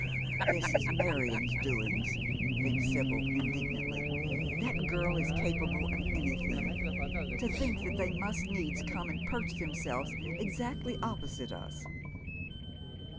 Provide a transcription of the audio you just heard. "This is Marion's doings," thinks Sibyl, indignantly. "That girl is capable of anything. To think that they must needs come and perch themselves exactly opposite us